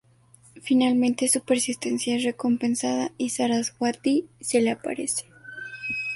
Finalmente su persistencia es recompensada y Saraswati se le aparece.